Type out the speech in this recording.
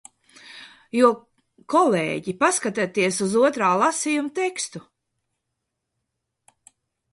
Jo, kolēģi, paskatieties uz otrā lasījuma tekstu!